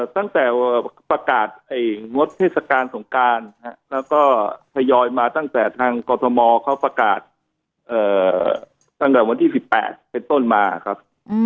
ตั้งแต่ประกาศงดเทศกาลสงการแล้วก็ทยอยมาตั้งแต่ทางกรทมเขาประกาศตั้งแต่วันที่๑๘เป็นต้นมาครับ